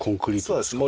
そうです。